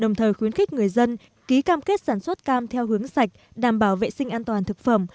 đồng thời khuyến khích người dân ký cam kết sản xuất cam theo hướng sạch đảm bảo vệ sinh an toàn thực phẩm